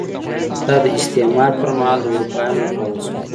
دا د استعمار پر مهال د اروپایانو لخوا وشول.